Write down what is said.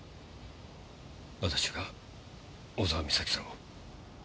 私が小沢美咲さんを。